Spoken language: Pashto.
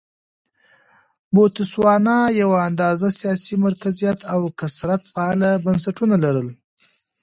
بوتسوانا یو اندازه سیاسي مرکزیت او کثرت پاله بنسټونه لرل.